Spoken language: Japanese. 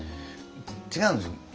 違うんですよ。